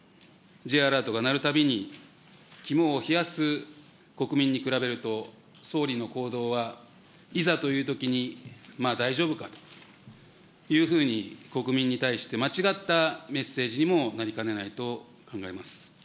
Ｊアラートが鳴るたびに、肝を冷やす国民に比べると、総理の行動は、いざというときに大丈夫かというふうに、国民に対して間違ったメッセージにもなりかねないと考えます。